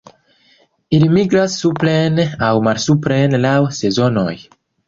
Ili migras supren aŭ malsupren laŭ sezonoj.